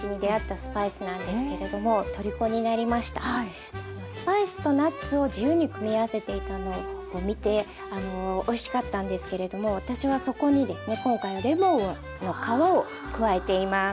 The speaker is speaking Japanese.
スパイスとナッツを自由に組み合わせていたのを見てあのおいしかったんですけれども私はそこにですね今回はレモンの皮を加えています。